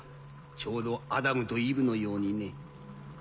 ちょうどアダムとイブのようにね。